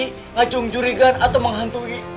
mengacung jurigan atau menghantui